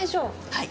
はい。